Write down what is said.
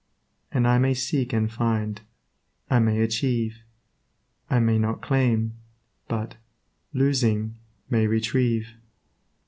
And I may seek and find; I may achieve, I may not claim, but, losing, may retrieve.